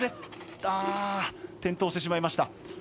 転倒してしまいました。